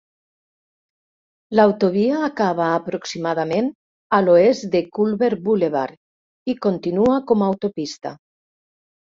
L'autovia acaba aproximadament a l'oest de Culver Boulevard i continua com a autopista.